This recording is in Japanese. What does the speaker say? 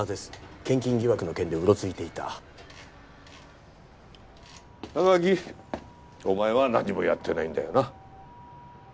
献金疑惑の件でうろついていた隆明お前は何もやってないんだよな？